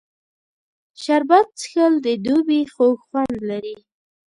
شربت څښل د دوبي خوږ خوند لري